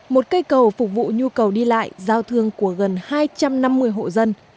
một cây cầu phục vụ nhu cầu đi lại giao thương của gần hai trăm năm mươi hộ dân